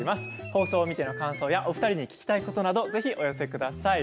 放送を見ながらの感想やお二人に聞きたいことなどお寄せください。